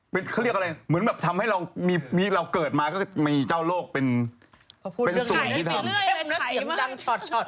เพียงได้เสี่ยงดังชอด